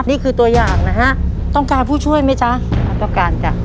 นี่คือตัวอย่างนะฮะต้องการผู้ช่วยไหมจ๊ะต้องการจ้ะ